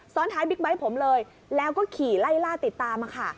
ท้ายบิ๊กไบท์ผมเลยแล้วก็ขี่ไล่ล่าติดตามมาค่ะ